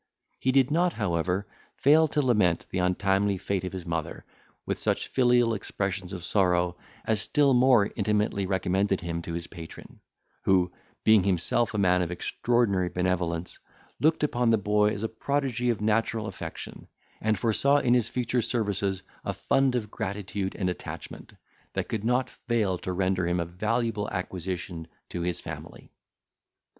He did not, however, fail to lament the untimely fate of his mother, with such filial expressions of sorrow, as still more intimately recommended him to his patron; who, being himself a man of extraordinary benevolence, looked upon the boy as a prodigy of natural affection, and foresaw in his future services a fund of gratitude and attachment, that could not fail to render him a valuable acquisition to his family.